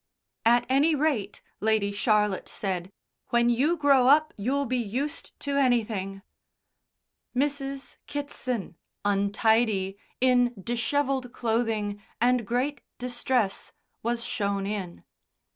"At any rate," Lady Charlotte said, "when you grow up you'll be used to anything." Mrs. Kitson, untidy, in dishevelled clothing, and great distress, was shown in.